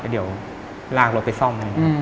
เดี๋ยวลากรถไปซ่อม